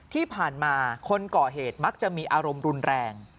ที่ผ่านมาคนก่อเหตุมักจะมีอารมณ์รุนแรง